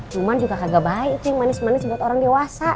cuman juga agak baik itu yang manis manis buat orang dewasa